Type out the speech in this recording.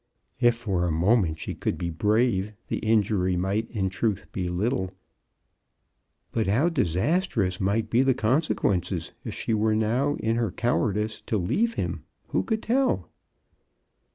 If for a moment she could be brave, the injury might in truth be little ; but how disastrous might be the consequences if she were now in her MRS. brown's failure. 2$ cowardice to leave him, who could tell?